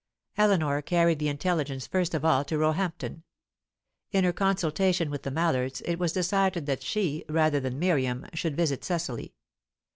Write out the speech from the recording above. Eleanor carried the intelligence first of all to Roehampton. In her consultation with the Mallards, it was decided that she, rather than Miriam, should visit Cecily.